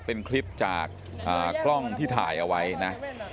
เป็นคลิปจากกล้องที่ถ่ายเอาไว้นะ